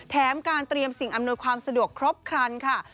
แถมการเตรียมสิ่งอำนวยความสะดวกครบครันค่ะ